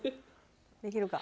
できるか？